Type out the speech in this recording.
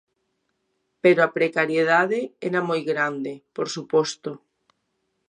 Pero a precariedade era moi grande, por suposto.